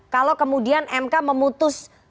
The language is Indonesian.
kalau kemudian mk memutus